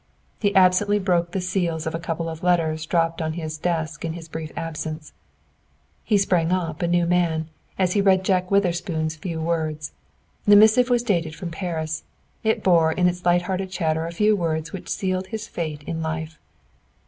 He absently broke the seals of a couple of letters dropped on his desk in his brief absence. He sprang up, a new man, as he read Jack Witherspoon's few words. The missive was dated from Paris. It bore in its light hearted chatter a few words which sealed his fate in life.